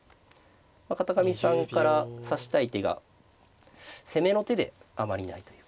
片上さんから指したい手が攻めの手であまりないというか。